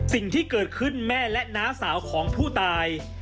สิ่งที่เกิดขึ้นแม่และน้าสาวของผู้ตาย